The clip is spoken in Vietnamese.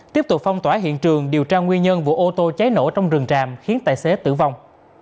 tiếp tục phong tỏa hiện trường điều tra nguyên nhân vụ ô tô cháy nổ trong rừng tràm khiến tài xế tử vong